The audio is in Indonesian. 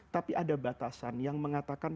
tapi ada batasan yang mengatakan